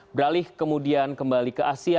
beralih kemudian kembali ke asia